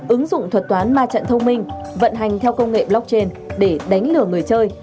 ứng dụng thuật toán ma trận thông minh vận hành theo công nghệ blockchain để đánh lừa người chơi